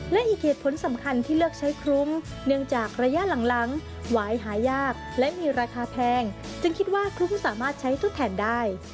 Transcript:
และอีกเหตุผลสำคัญที่เลือกใช้ครุ้งเนื่องจากระยะหลังหวายหายากและมีราคาแพงจึงคิดว่าครุสามารถใช้ทดแทนได้